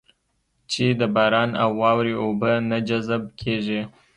چې د باران او واورې اوبه نه جذب کېږي.